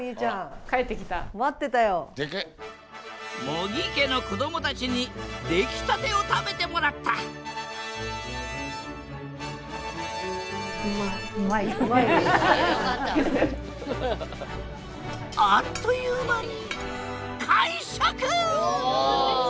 茂木家の子供たちに出来立てを食べてもらったあっという間に完食！